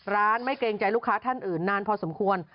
ร้านไม่เกรงใจลูกค้าท่านอื่นนานพอสมควร